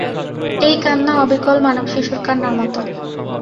এই কান্না অবিকল মানবশিশুর কান্নার মতো।